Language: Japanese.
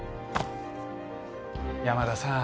山田さん